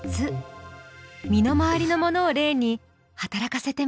身の回りのものを例に働かせてみよう。